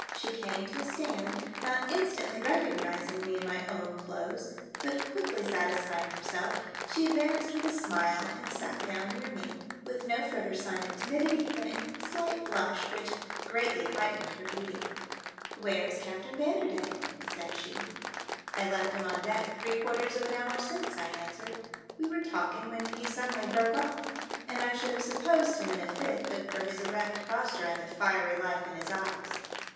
She came to a stand, not instantly recognising me in my own clothes, but quickly satisfying herself, she ad vanced with a smile and sat down near me, with no further sign of timidity than a slight blush which greatly heightened her beauty 164 THE DEATH SHIP. " Where is Captain Vanderdecken ?" said she. " I left him on deck three quarters of an hour since," I answered. "We were talking when he suddenly broke off, and I should have supposed him in a fit but for his erect posture and the fiery life in his eyes."